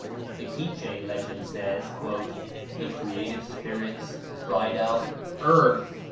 The Quiche legend says, "The creative spirits cried out 'Earth!'